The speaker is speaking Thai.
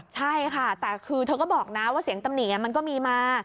ใช่ค่ะแต่คือเธอก็บอกนะว่าเสียงตำหนิมันก็มีมา